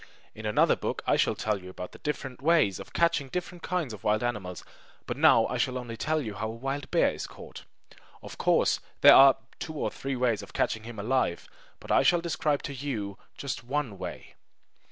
In another book I shall tell you all about the different ways of catching different kinds of wild animals; but now I shall only tell you how a wild bear is caught. Of course, there are two or three ways of catching him alive, but I shall describe to you now just one way.